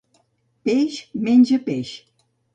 Peix menja peix.